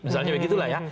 misalnya begitu lah ya